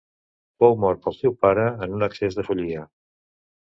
Fou mort pel seu pare en un accés de follia.